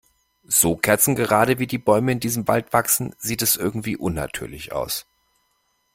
So kerzengerade, wie die Bäume in diesem Wald wachsen, sieht es irgendwie unnatürlich aus.